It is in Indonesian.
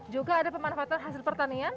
juga ada pemanfaatan hasil pertanian